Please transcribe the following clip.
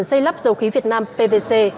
xây lắp dầu khí việt nam pvc